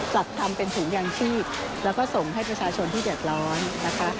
จัดทำเป็นถุงยางชีพแล้วก็ส่งให้ประชาชนที่เดือดร้อนนะคะ